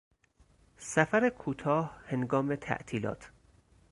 سفر کوتاه هنگام تعطیلات